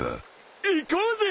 行こうぜ。